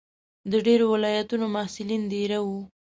د ډېرو ولایتونو محصلین دېره وو.